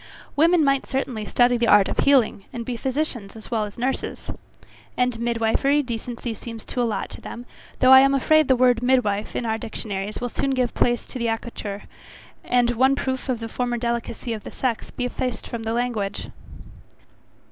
Women might certainly study the art of healing, and be physicians as well as nurses. And midwifery, decency seems to allot to them, though I am afraid the word midwife, in our dictionaries, will soon give place to accoucheur, and one proof of the former delicacy of the sex be effaced from the language.